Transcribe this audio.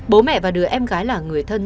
bố mẹ và đứa em gái là người thân